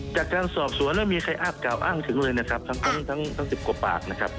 จากการสอบสวนแล้วมีใครอ้าบกล่าวอ้างถึงเลยนะครับทั้ง๑๐กว่าปากนะครับ